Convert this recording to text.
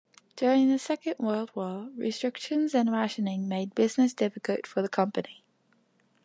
During the Second World War, restrictions and rationing made business difficult for the company.